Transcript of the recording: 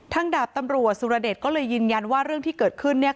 ทางดับตำรวจศูรเดชก็เลยยืนยันว่าเรื่องที่เกิดขึ้น